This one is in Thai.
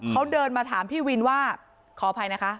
เขาเดินมาถามพี่วินว่าขออภัยนะคะ